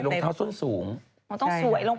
ต้องสวยลงไป